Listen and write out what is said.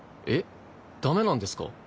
えっダメなんですか？